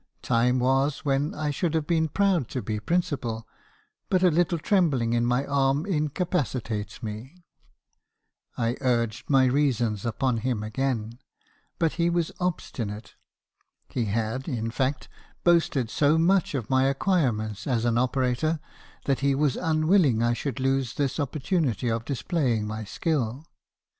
Time was when I should have been proud to be principal, but a little trembling in my arm incapaci tates me.' "I urged my reasons upon him again; but he was obstinate. He had, in fact, boasted so much of my acquirements as an operator, that he was unwilling I should lose this opportunity of displaying my skill.